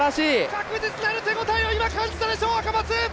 確実なる手応えを感じたでしょう、赤松！